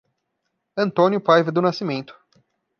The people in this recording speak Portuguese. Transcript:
Antônio Paiva do Nascimento